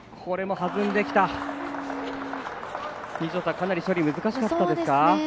かなり距離が難しかったですか。